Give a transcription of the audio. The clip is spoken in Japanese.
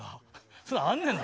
それあんねんな。